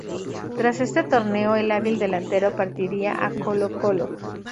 Tras este torneo el hábil delantero partiría a Colo-Colo.